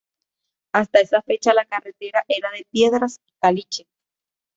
Hasta esa fecha la carretera era de piedras y caliche.